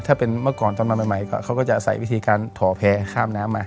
ถ้าเป็นเมื่อก่อนตอนมาใหม่เขาก็จะใส่วิธีการถ่อแพร่ข้ามน้ำมา